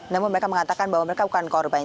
namun mereka mengatakan bahwa mereka bukan korban